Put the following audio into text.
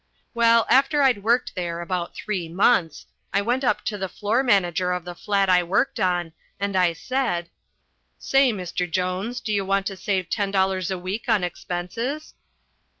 Well, after I'd worked there about three months, I went up to the floor manager of the flat I worked on, and I said, "Say, Mr. Jones, do you want to save ten dollars a week on expenses?"